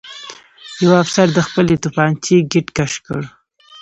یوه افسر د خپلې توپانچې ګېټ کش کړ